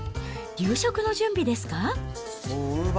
夕食の準備ですか。